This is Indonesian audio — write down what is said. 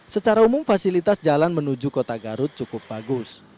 secara umum fasilitas jalan menuju kota garut cukup bagus